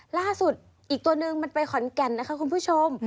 ล่าสุดอีกตัวนึงมันไปขอนแก่นนะคะคุณผู้ชม